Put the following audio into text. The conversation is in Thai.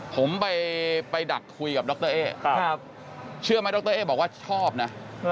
ผมไปดักคุยกับดรเอ๊เชื่อไหมดรเอ๊บอกว่าชอบนะ